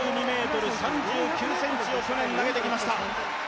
６２ｍ３９ｃｍを去年投げてきました。